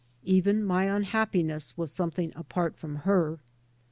Even my unhappiness was some thing apart from her.